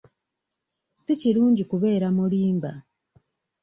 Si kirungi kubeera mulimba.